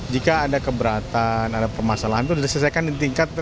jika ada keberatan ada permasalahan itu diselesaikan di tingkat